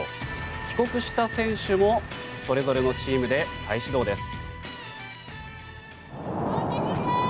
帰国した選手もそれぞれのチームで再始動です。